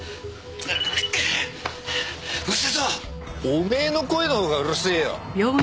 おめえの声のほうがうるせえよ。